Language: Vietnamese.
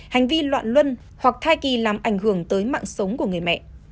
hành vi loạn luân hoặc thai kỳ làm ảnh hưởng tới mạng sống của người mẹ